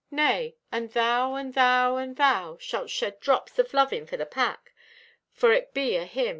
Nay, and thou and thou and thou shalt shed drops in loving for the pack, for it be o' Him.